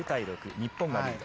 日本がリード。